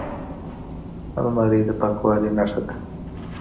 الماري د پاکوالي نښه ده